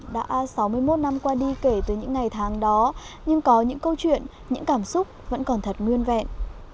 đã sáu mươi một năm qua đi kể từ những ngày tháng đó nhưng có những câu chuyện những cảm xúc vẫn còn thật nguyên vẹn